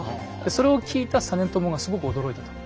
それを聞いた実朝がすごく驚いたと。